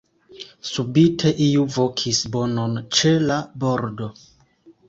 Subite iu vokis bonon ĉe la bordo.